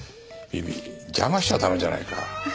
ビビ邪魔しちゃ駄目じゃないか。